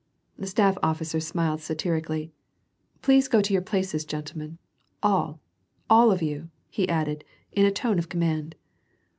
The staff officer smiled satirically. "Please go to your places, gentlemen, all, all of you," he added, in a tone of command.